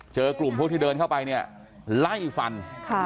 เจอกลุ่มพวกที่เดินเข้าไปเนี่ยไล่ฟัน